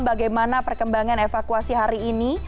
bagaimana perkembangan evakuasi hari ini